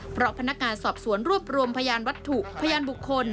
เพราะพนักงานสอบสวนรวบรวมพยานวัตถุพยานบุคคล